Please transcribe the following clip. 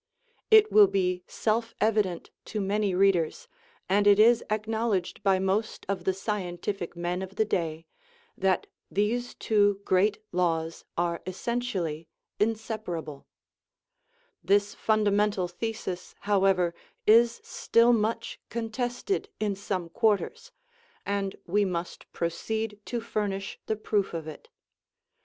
"* It will be self evident to many readers, and it is acknowl edged by most of the scientific men of the day, that these two great laws are essentially inseparable. This fundamental thesis, however, is still much contested * Cf . Monism, by Ernst Haeckel. 211 THE RIDDLE OF THE UNIVERSE in some quarters, and we must proceed to furnish the proof of it.